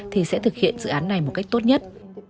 thì sẽ thực hiện dự án này một cách tốt nhất